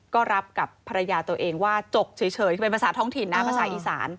ก็รับกับภรรยาตัวเองว่าจกเฉยคือเป็นภาษาท้องถิ่นนะภาษาอีสาน